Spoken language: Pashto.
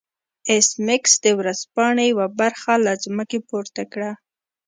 ایس میکس د ورځپاڼې یوه برخه له ځمکې پورته کړه